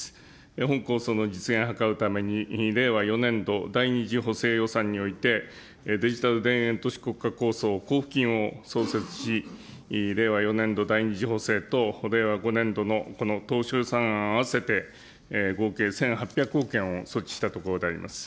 本構想の実現を図るために、令和４年度第２次補正予算において、デジタル田園都市国家構想交付金を創設し、令和４年度第２次補正と令和５年度のこの当初予算案合わせて、合計１８００億円を措置したところであります。